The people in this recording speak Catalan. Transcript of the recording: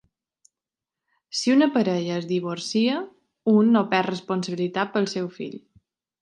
Si una parella es divorcia, un no perd responsabilitat pel seu fill.